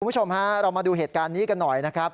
คุณผู้ชมฮะเรามาดูเหตุการณ์นี้กันหน่อยนะครับ